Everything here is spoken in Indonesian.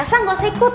elsa gak usah ikut